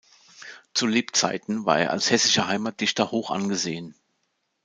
Zu Lebzeiten war er als hessischer Heimatdichter hoch angesehen.